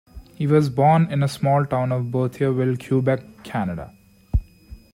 He was born in the small town of Berthierville, Quebec, Canada.